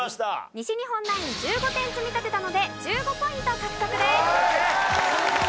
西日本ナイン１５点積み立てたので１５ポイント獲得です。